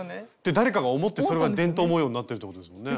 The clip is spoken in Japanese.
誰かが思ってそれは伝統模様になってるってことですよね？